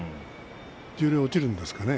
十両に落ちるんですかね。